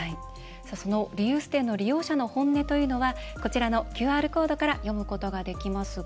そのリユース店の利用者の本音というのはこちらのＱＲコードから読むことができますが